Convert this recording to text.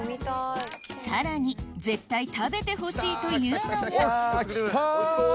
さらに絶対食べてほしいというのがおいしそう。